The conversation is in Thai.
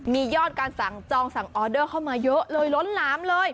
มียอดการสั่งจองสั่งออเดอร์เข้ามาเยอะเลยล้นหลามเลย